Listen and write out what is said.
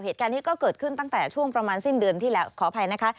เหตุการณ์นี้ก็เกิดขึ้นตั้งแต่ช่วงประมาณสิ้นเดือนที่แล้วขออภัยนะคะ